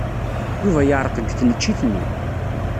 Yuba yeɛreq deg tneččit-nni.